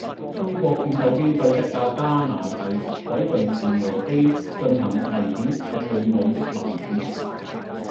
中國戰鬥機對一架加拿大海上巡邏機進行「危險且魯莽」的攔截